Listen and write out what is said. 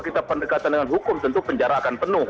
kita pendekatan dengan hukum tentu penjara akan penuh